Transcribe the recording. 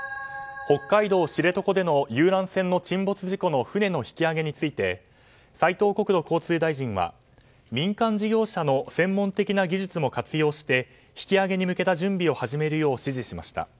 北海道・知床での遊覧船での沈没事故の船の引き揚げについて斉藤国土交通大臣は民間事業者の専門的な技術も活用して引き揚げに向けた準備を始めるよう指示しました。